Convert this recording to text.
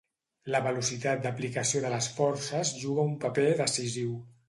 La velocitat d'aplicació de les forces juga un paper decisiu.